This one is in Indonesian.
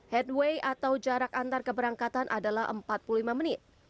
headway atau jarak antar keberangkatan adalah empat puluh lima menit